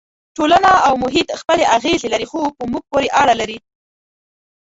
ټولنه او محیط خپلې اغېزې لري خو په موږ پورې اړه لري.